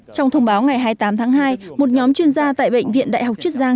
trong thông báo ngày hai mươi tám tháng hai một nhóm chuyên gia tại bệnh viện đại học chiết giang